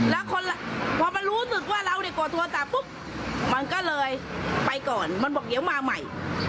แล้วพอมันรู้สึกว่าเราเนี่ยกดโทรศัพท์ปุ๊บมันก็เลยไปก่อนมันบอกเดี๋ยวมาใหม่